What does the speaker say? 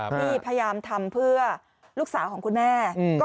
ที่พยายามทำเพื่อลูกสาวของคุณแม่